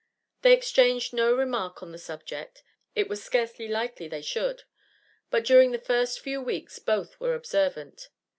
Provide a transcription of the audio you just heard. They exchanged no remark on the subject; it was scarcely likely they should; but during the first few weeks both were observant.